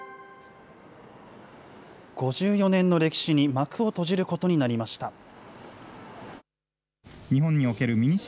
５４年の歴史に幕を閉じることになりました。